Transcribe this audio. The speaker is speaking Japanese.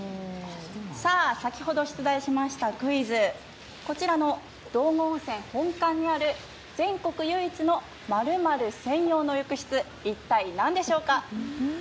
さあ、先ほど出題しましたクイズ、こちらの道後温泉本館にある全国唯一の○○専用の浴室一体、なんでしょうか。